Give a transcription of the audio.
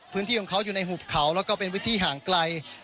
พื้นที่ของเขาอยู่ในหุบเขาแล้วก็เป็นพื้นที่ห่างไกล